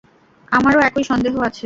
আমারও একই সন্দেহ আছে।